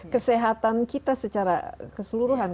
kesehatan kita secara keseluruhan